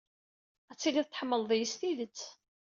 Ad tilid tḥemmled-iyi s tidet.